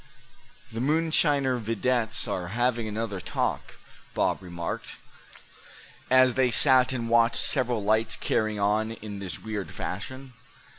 "The moonshiner videttes are having another talk," Bob remarked, as they sat and watched several lights carrying on in this weird fashion.